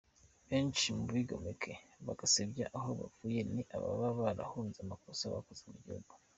Benshi mu bigomeka bagasebya aho bavuye ni ababa barahunze amakosa bakoze mu gihugu.